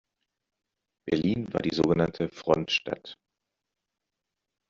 Berlin war die sogenannte Frontstadt.